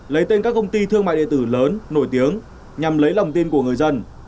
lấy tên các công ty thương mại điện tử lớn nổi tiếng nhằm lấy lòng tin của người dân